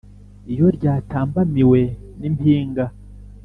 Iyo ryatambamiwe nimpinga